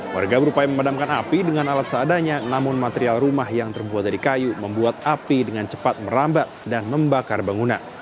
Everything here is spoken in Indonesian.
warga berupaya memadamkan api dengan alat seadanya namun material rumah yang terbuat dari kayu membuat api dengan cepat merambat dan membakar bangunan